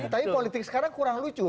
tapi politik sekarang kurang lucu